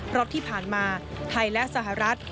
เพราะที่ผ่านมาไทยและสหรัฐ